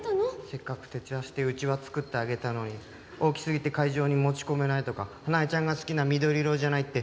せっかく徹夜してうちわ作ってあげたのに大きすぎて会場に持ち込めないとか花枝ちゃんが好きな緑色じゃないって受け取ってくれなかった。